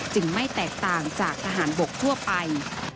ไม่แตกต่างจากทหารบกทั่วไป